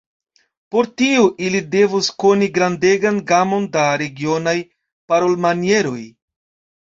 Por tio, ili devus koni grandegan gamon da regionaj parolmanieroj.